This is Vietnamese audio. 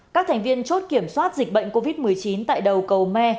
các thành viên chốt kiểm soát dịch bệnh covid một mươi chín tại đầu cầu me